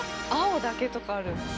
青だけとかある。